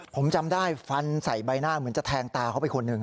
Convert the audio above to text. ผมจำได้ฟันใส่ใบหน้าเหมือนจะแทงตาเขาไปคนหนึ่ง